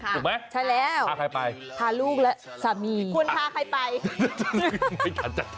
ถูกไหมใช่แล้วพาใครไปพาลูกและสามีคุณพาใครไป